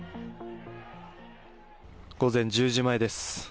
午前１０時前です。